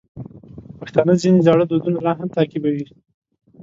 پښتانه ځینې زاړه دودونه لا هم تعقیبوي.